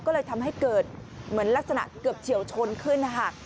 ก็เลยทำให้เกิดเหมือนลักษณะเกือบเฉียวชนขึ้นนะคะ